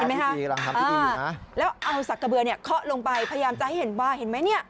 เห็นไหมครับอ้าวแล้วเอาสักกระเบือเขาลงไปพยายามจะให้เห็นว่าเห็นไหมนี่